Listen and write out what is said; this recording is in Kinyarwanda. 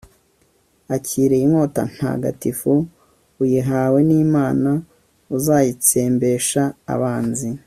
akira iyi nkota ntagatifu, uyihawe n'imana ukazayitsembesha abanzi